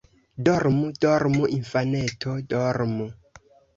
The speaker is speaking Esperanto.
Dormu, dormu, infaneto, Dormu!